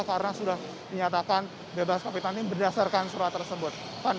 karena sudah menyatakan bebas covid sembilan belas berdasarkan surat tersebut